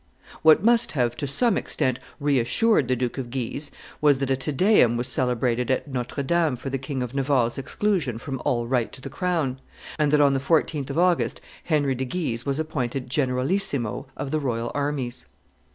What must have to some extent reassured the Duke of Guise was, that a Te Deum was celebrated at Notre Dame for the King of Navarre's exclusion from all right to the crown, and that, on the 14th of August Henry de Guise was appointed generalissimo of the royal armies.